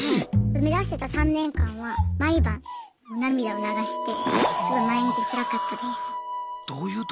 目指してた３年間は毎晩涙を流してすごい毎日つらかったです。